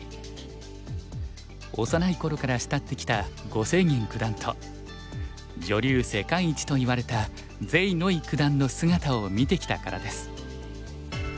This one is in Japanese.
幼い頃から慕ってきた呉清源九段と女流世界一といわれた廼偉九段の姿を見てきたからです。